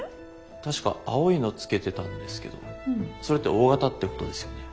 確か青いの着けてたんですけどそれってＯ型ってことですよね？